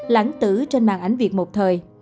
lãng tử trên mạng ảnh việt một thời